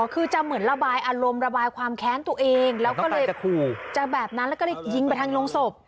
คือจะเหมือนระบายอารมณ์ระบายความแค้นตัวเองแล้วก็เลยจะแบบนั้นแล้วก็เลยยิงไปทางโรงศพ